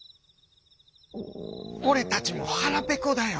「俺たちも腹ぺこだよ」。